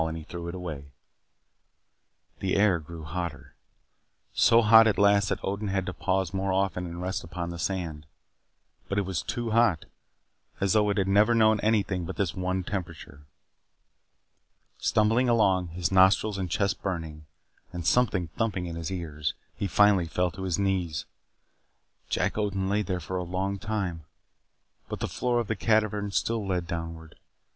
He threw it away. The air grew hotter. So hot at last that Odin had to pause more often and rest upon the sand. But it too was hot, as though it had never known anything but this one temperature. Stumbling along, his nostrils and chest burning, and something thumping in his ears, he finally fell to his knees. Jack Odin lay there for a long time. But the floor of the cavern still led downward.